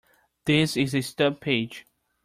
This is a stub page.